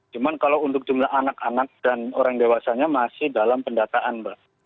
cuma kalau untuk jumlah anak anak dan orang dewasanya masih dalam pendataan mbak